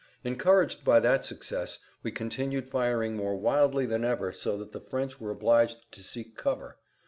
Encouraged by that success we continued firing more wildly than ever so that the French were obliged to seek cover.